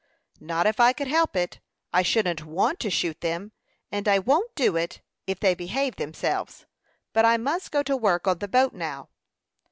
"Not if I could help it. I shouldn't want to shoot them; and I won't do it, if they behave themselves. But I must go to work on the boat now."